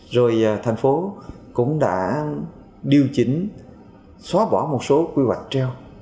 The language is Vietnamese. rồi thành phố cũng đã điều chỉnh xóa bỏ một số quy hoạch treo